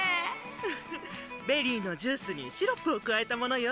フフッベリーのジュースにシロップを加えたものよ